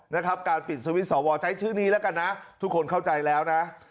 นะครับการปิดสวิตชอวอใช้ชื่อนี้แล้วกันนะทุกคนเข้าใจแล้วนะ